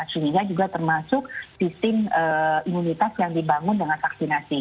sehingga juga termasuk sistem imunitas yang dibangun dengan vaksinasi